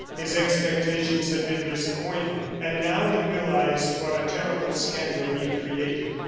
His expectations had been disappointed; and now he realized what a terrible scandal he had created.